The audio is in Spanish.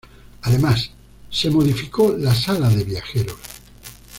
Además, se modificó la sala de viajeros.